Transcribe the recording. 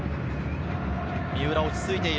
三浦、落ち着いている。